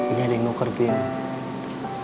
ini ada yang nuker tini